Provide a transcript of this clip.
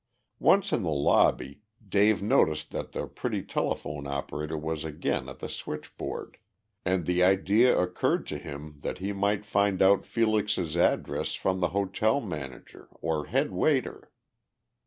Once in the lobby, Dave noticed that the pretty telephone operator was again at the switchboard, and the idea occurred to him that he might find out Felix's address from the hotel manager or head waiter.